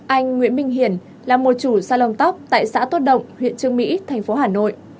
anh nguyễn minh hiển là một chủ salon tóc tại xã tốt động huyện trương mỹ thành phố hà nội